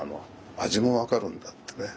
味も分かるんだってね。